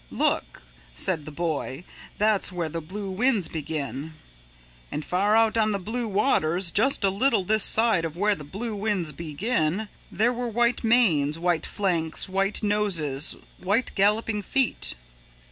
"'Look!' said the Boy, 'that's where the blue winds begin.' "And far out on the blue waters, just a little this side of where the blue winds begin, there were white manes, white flanks, white noses, white galloping feet.